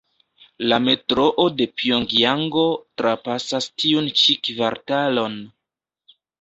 La Metroo de Pjongjango trapasas tiun ĉi kvartalon.